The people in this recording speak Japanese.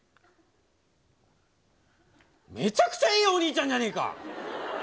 めちゃくちゃいいお兄ちゃんじゃねえか！